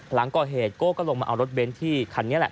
หลังก่อเหตุโก้ก็ลงมาเอารถเบนท์ที่คันนี้แหละ